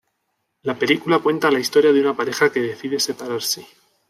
La película cuenta la historia de una pareja que decide separarse.